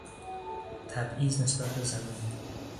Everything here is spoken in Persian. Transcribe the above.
تبعیض نسبت به زنان